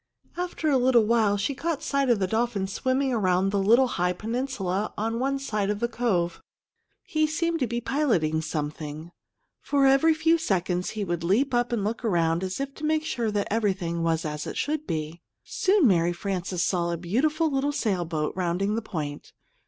After a little while, she caught sight of the dolphin swimming around the little high peninsula on one side of the cove. He seemed to be piloting something, for every few seconds he would leap up and look around as if to make sure that everything was as it should be. Soon Mary Frances saw a beautiful little sailboat rounding the point.